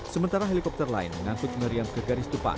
sementara helikopter lain mengangkut meriam ke garis depan